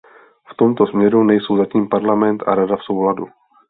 V tomto směru nejsou zatím Parlament a Rada v souladu.